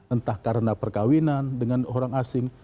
entah karena perkawinan dengan orang asing